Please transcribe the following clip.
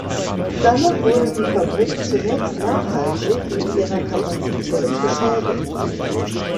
Danach wurde die Fabrik zunächst nachhaltig in ihrer Kapazität geschädigt.